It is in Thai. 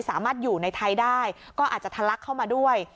สามารถอยู่ในไทยได้ก็อาจจะทะลักเข้ามาด้วย